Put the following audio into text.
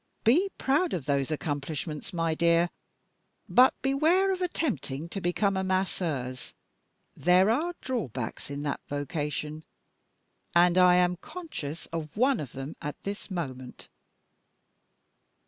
Be proud of those accomplishments, my dear, but beware of attempting to become a Masseuse. There are drawbacks in that vocation and I am conscious of one of them at this moment."